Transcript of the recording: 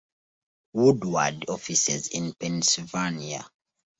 Woodward offices in Pennsylvania.